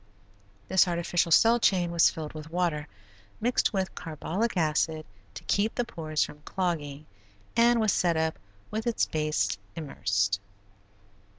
This artificial cell chain was filled with water, mixed with carbolic acid to keep the pores from clogging, and was set up with its base immersed.